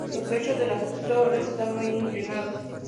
Los techos de las torres están muy inclinados.